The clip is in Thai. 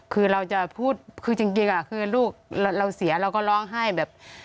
คือเราจะพูดคือจริงคือลูกเราเสียเราก็ร้องไห้แบบ